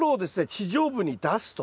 地上部に出すと。